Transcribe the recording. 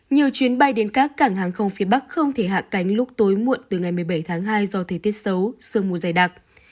nhiều chuyến bay đến các cảng hàng không phía bắc không thể hạ cánh lúc tối muộn từ ngày một mươi bảy tháng hai do thời tiết xấu sương mù dày đặc